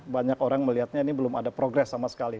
banyak orang melihatnya ini belum ada progres sama sekali